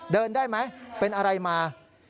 เดินได้ไหมเป็นอะไรมา